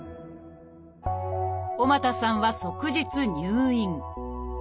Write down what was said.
尾又さんは即日入院。